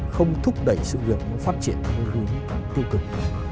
không thúc đẩy sự việc phát triển vô cùng tư cực